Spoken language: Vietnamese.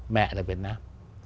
mẹ là việt nam